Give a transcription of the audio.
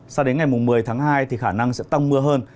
sao đến ngày một mươi tháng hai thì khả năng sẽ tăng mưa hơn